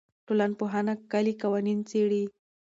ټولنپوهنه کلي قوانین څېړي.